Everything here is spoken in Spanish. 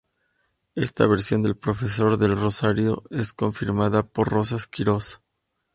Esta versión del profesor Del Rosario es confirmada por Rosas Quirós.